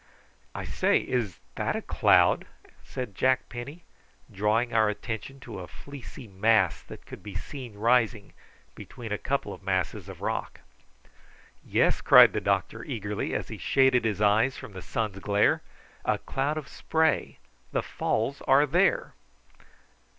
"I say, is that a cloud?" said Jack Penny, drawing our attention to a fleecy mass that could be seen rising between a couple of masses of rock. "Yes!" cried the doctor eagerly, as he shaded his eyes from the sun's glare; "a cloud of spray. The falls are there!"